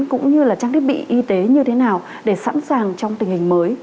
cũng như là trang thiết bị y tế như thế nào để sẵn sàng trong tình hình mới